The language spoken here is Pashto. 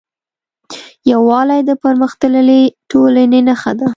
یووالی د پرمختللې ټولنې نښه ده.